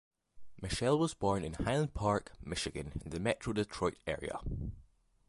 Mitchell was born in Highland Park, Michigan, in the Metro Detroit area.